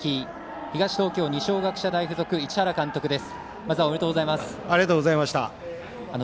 東東京、二松学舎大付属市原監督です。